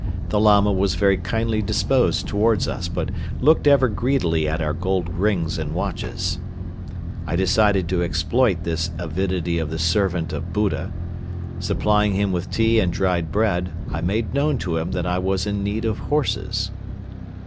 The Lama was very kindly disposed towards us but looked ever greedily at our gold rings and watches. I decided to exploit this avidity of the Servant of Buddha. Supplying him with tea and dried bread, I made known to him that I was in need of horses.